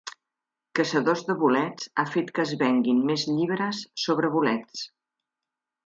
Caçadors de bolets ha fet que es venguin més llibres sobre bolets